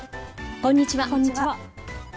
こんにちは。